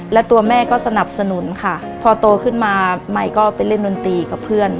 และตัวแม่ก็สนับสนุนค่ะพอโตขึ้นมาใหม่ก็ไปเล่นดนตรีกับเพื่อน